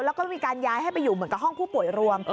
แล้วก็มีการย้ายให้ไปอยู่เหมือนกับห้องผู้ป่วยรวม